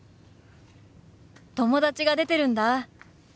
友達が出てるんだ。